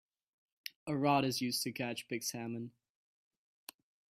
A rod is used to catch pink salmon.